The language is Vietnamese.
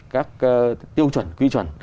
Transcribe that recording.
các tiêu chuẩn quy chuẩn